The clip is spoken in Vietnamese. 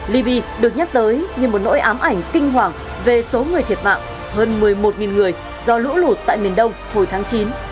libya được nhắc tới như một nỗi ám ảnh kinh hoàng về số người thiệt mạng hơn một mươi một người do lũ lụt tại miền đông hồi tháng chín